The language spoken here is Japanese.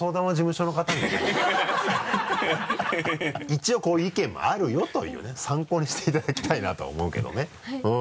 一応こういう意見もあるよというね参考にしていただきたいなとは思うけどね。